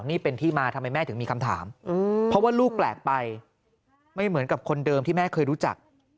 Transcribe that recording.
นี่เป็นที่มาทำไมแม่ถึงมีคำถามเพราะว่าลูกแปลกไปไม่เหมือนกับคนเดิมที่แม่เคยรู้จัก